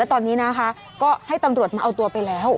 ตอนนี้นะคะก็ให้ตำรวจมาเอาตัวไปแล้ว